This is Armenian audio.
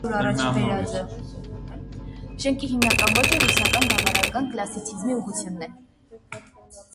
Շենքի հիմնական ոճը ռուսական գավառական կլասիցիզմի ուղղությունն է։